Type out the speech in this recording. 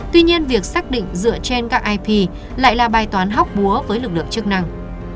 tuy nhiên việc xác định dựa trên các ip lại là bài toán hóc búa với lực lượng chức năng